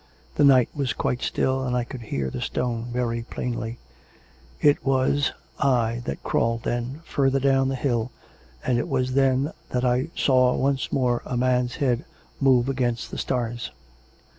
The night was quite still, and I could hear the stone very plainly. ... It was I that crawled then, further down the hill, and it was then that I saw once more a man's head move against the stars.